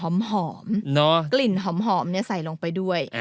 หอมกลิ่นหอมใส่ลงไปด้วย